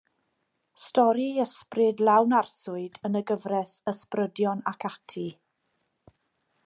Stori ysbryd lawn arswyd yn y gyfres Ysbrydion ac Ati.